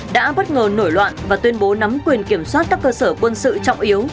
đã bất ngờ nổi loạn và tuyên bố nắm quyền kiểm soát các cơ sở quân sự trọng yếu